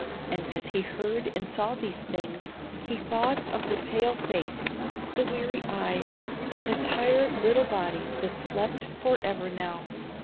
And as he heard and saw these things, he thought of the pale face, the weary eyes, and the tired little body that slept forever now.